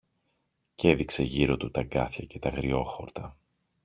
Κι έδειξε γύρω του τ' αγκάθια και τ' αγριόχορτα